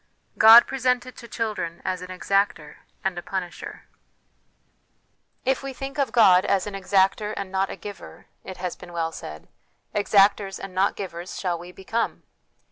God presented to Children as an Exactor and a Punisher. " If we think of God as an exactor and not a giver," it has been well said, " exactors and not givers shall we become."